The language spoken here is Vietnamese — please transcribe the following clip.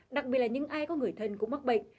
đặc biệt là những ai có người thân cũng mắc bệnh